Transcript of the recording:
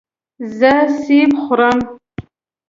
زه سیب خورم.